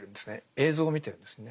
映像を見てるんですね。